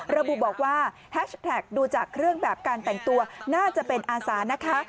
ระบุบอกว่าแฮชแท็กดูจากเครื่องแบบการแต่งตัวน่าจะเป็นอาสานะคะ